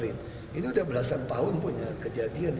ini sudah belasan tahun punya kejadian ini